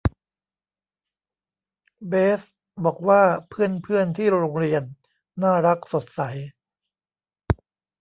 เบสบอกว่าเพื่อนเพื่อนที่โรงเรียนน่ารัก สดใส